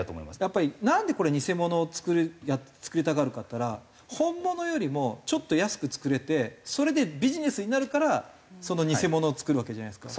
やっぱりなんでこれ偽物を作りたがるかっていったら本物よりもちょっと安く作れてそれでビジネスになるから偽物を作るわけじゃないですか。